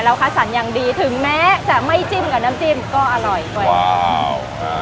เราคัดสรรอยังดีถึงแม้จะไม่จิ้มกับน้ำจิ้มก็อร่อยประมาณว้าว